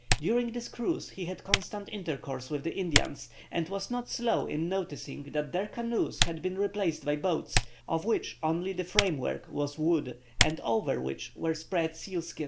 During this cruise he had constant intercourse with the Indians, and was not slow in noticing that their canoes had been replaced by boats, of which only the framework was wood, and over which were spread seal skins.